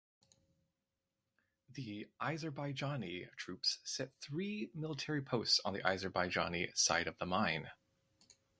The Azerbaijani troops set three military posts on the Azerbaijani side of the mine.